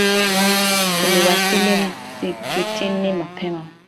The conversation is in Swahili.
Tuliwasili msikitini mapema.